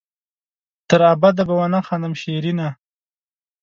تر ابده به ونه خاندم شېرينه